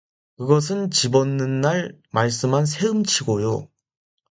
그것은 집 얻는 날 말씀한 세음치고요.